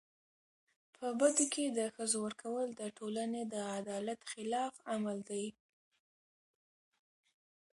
په بدو کي د ښځو ورکول د ټولني د عدالت خلاف عمل دی.